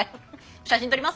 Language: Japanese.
写真撮ります？